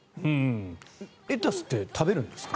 レタスって食べるんですか。